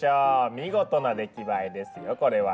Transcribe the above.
見事な出来栄えですよこれは。